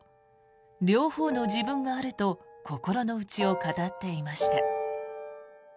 両方の自分があると心の内を語っていました。